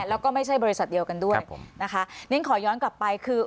แล้วก็ไม่ใช่บริษัทเดียวกันด้วยนะคะนี่ขอย้อนกลับไปคือ